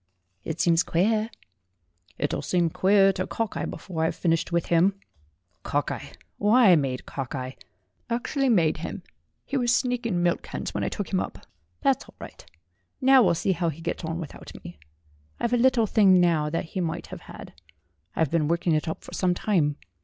"It seems queer." "It'll seem queerer to Cockeye before I've finished with him. Cockeye ? Why, I made Cockeye actually made him! He was sneaking milk cans when I took him up. That's all right; now we'll see how he gets on without me. I've a little thing now that he might have had. I've been working it up for some time.